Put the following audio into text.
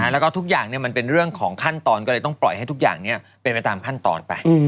แล้วก็ทุกอย่างมันเป็นเรื่องของขั้นตอนก็เลยต้องปล่อยให้ทุกอย่างเป็นไปตามขั้นตอนไป